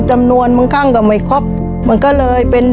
ชีวิตหนูเกิดมาเนี่ยอยู่กับดิน